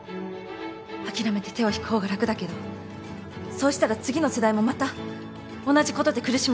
諦めて手を引く方が楽だけどそうしたら次の世代もまた同じことで苦しむことになる。